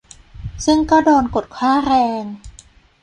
ซึ่งก็โดนกดค่าแรง